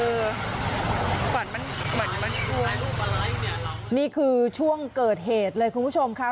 ฝันมันฝันมันนี่คือช่วงเกิดเหตุเลยคุณผู้ชมค่ะ